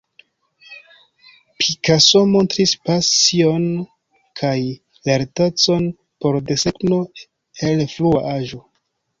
Picasso montris pasion kaj lertecon por desegno el frua aĝo.